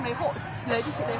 lấy cho chị lấy hội cho chị quên em